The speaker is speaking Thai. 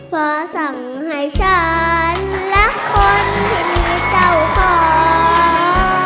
เพราะสังหายฉันรักคนที่เจ้าของ